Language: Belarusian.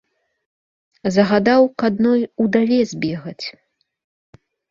Загадаў к адной удаве збегаць.